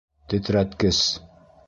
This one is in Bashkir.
Тетрәткес!